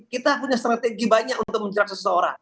kita punya strategi banyak untuk menjerat seseorang